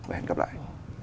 và hẹn gặp lại